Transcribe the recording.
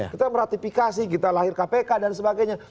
kita meratifikasi kita lahir kpk dan sebagainya